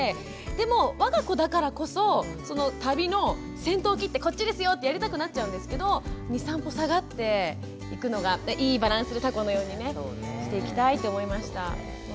でもわが子だからこそ旅の先頭を切って「こっちですよ」ってやりたくなっちゃうんですけど２３歩下がっていくのがいいバランスのたこのようにねしていきたいと思いました。